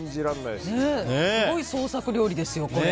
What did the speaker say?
すごい創作料理ですよ。